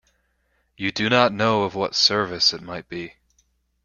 You do not know of what service it might be.